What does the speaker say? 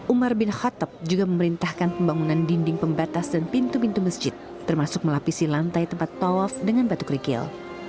umar bin khattab juga memerintahkan pembangunan dinding pembatas dan pintu pintu masjid termasuk melapisi lantai tempat tawaf dengan batu kerikil